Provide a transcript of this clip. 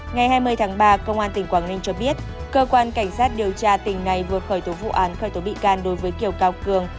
ngày hai mươi tháng ba công an tỉnh quảng ninh cho biết cơ quan cảnh sát điều tra tỉnh này vừa khởi tố vụ án khởi tố bị can đối với kiều cao cường